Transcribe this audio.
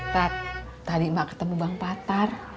tad tadi emak ketemu bang patar